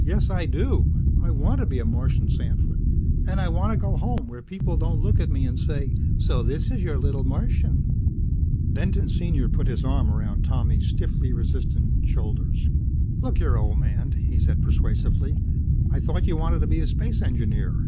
"Yes, I do! I want to be a Martian sandfoot. And I want to go home where people don't look at me and say, 'So this is your little Martian!'" Benton, Sr., put his arm around Tommy's stiffly resistant shoulders. "Look here, old man," he said persuasively. "I thought you wanted to be a space engineer.